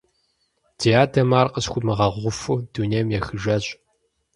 Ди адэм ар къысхуимыгъэгъуфу дунейм ехыжащ.